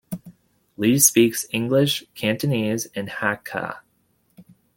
Lee speaks English, Cantonese, and Hakka.